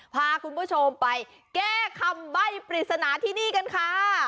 พาคุณผู้ชมไปแก้คำใบ้ปริศนาที่นี่กันค่ะ